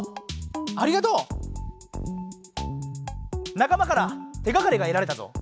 なか間から手がかりがえられたぞ。